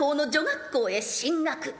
学校へ進学。